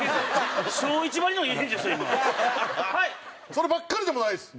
そればっかりでもないです。